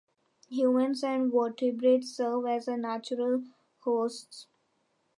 Humans and vertebrates serve as the natural hosts.